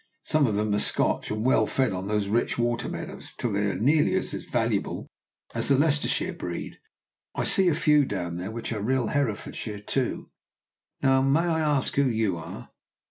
"Some of them are Scotch, and well fed on these rich water meadows, till they are nearly as valuable as the Leicestershire breed. I see a few down there which are real Herefordshire, too. And now may I ask who you are?"